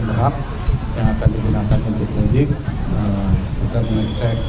pelaksanaan mudik lebaran ini